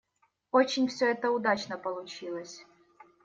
Очень все это удачно получилось.